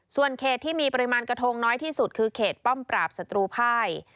ส่วนเขตที่มีปริมาณกระทงน้อยที่สุดคือเขตป้อมปราบศัตรูภาย